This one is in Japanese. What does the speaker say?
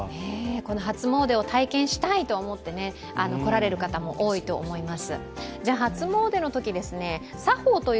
この初詣を体験したいと思って来られる方も多いと思います。